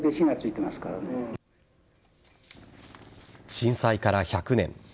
震災から１００年。